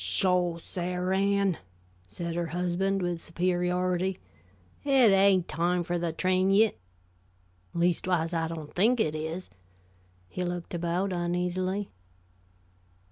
"Sho! Sar' Ann," said her husband, with superiority. "It ain't time for the train yit leastwise I don't think it is." He looked about uneasily.